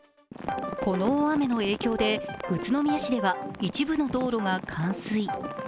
この大雨の影響で宇都宮市では一部の道路が冠水。